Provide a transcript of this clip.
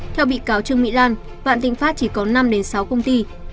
theo bị cáo trương mỹ lan vạn tịnh phát chỉ có năm sáu công ty